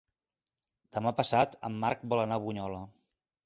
Demà passat en Marc vol anar a Bunyola.